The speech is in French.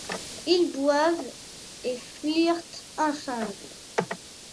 Ils boivent et flirtent ensemble.